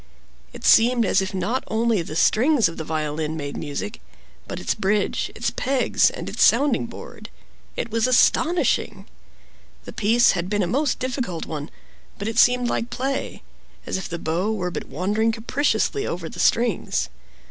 It seemed as if not only the strings of the violin made music, but its bridge, its pegs, and its sounding board. It was astonishing! The piece had been a most difficult one; but it seemed like play—as if the bow were but wandering capriciously over the strings.